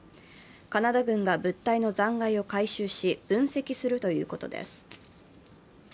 カナダ軍が物体の残骸を回収し分析するということです。